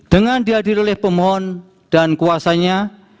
dengan dihadir oleh pemohon dan kuasanya